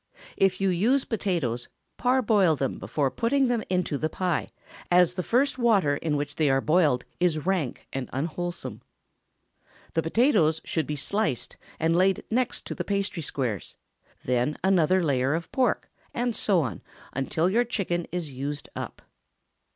If you use potatoes, parboil them before putting them into the pie, as the first water in which they are boiled is rank and unwholesome. The potatoes should be sliced and laid next the pastry squares; then another layer of pork, and so on until your chicken is used up.